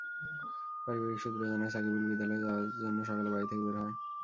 পারিবারিক সূত্র জানায়, সাকিবুল বিদ্যালয়ে যাওয়ার জন্য সকালে বাড়ি থেকে বের হয়।